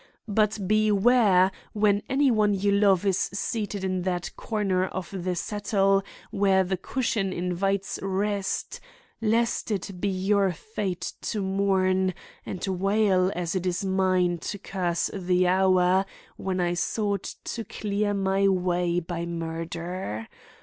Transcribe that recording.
But beware when any one you love is seated in that corner of the settle where the cushion invites rest, lest it be your fate to mourn and wail as it is mine to curse the hour when I sought to clear my way by murder.